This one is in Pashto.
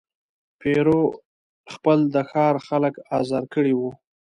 پیرو خپل د ښار خلک آزار کړي وه.